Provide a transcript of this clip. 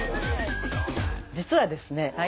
実はですね